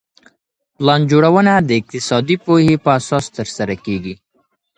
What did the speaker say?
پلان جوړونه د اقتصادي پوهي په اساس ترسره کيږي.